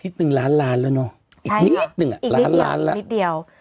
หนึ่งล้านล้านแล้วเนอะอีกนิดหนึ่งอ่ะล้านล้านแล้วนิดเดียว